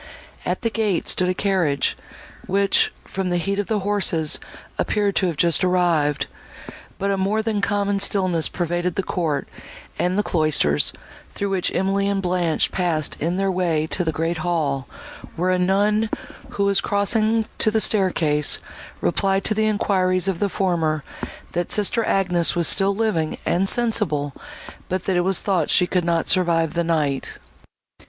At the gate stood a carriage, which, from the heat of the horses, appeared to have just arrived; but a more than common stillness pervaded the court and the cloisters, through which Emily and Blanche passed in their way to the great hall, where a nun, who was crossing to the staircase, replied to the enquiries of the former, that sister Agnes was still living, and sensible, but that it was thought she could not survive the night.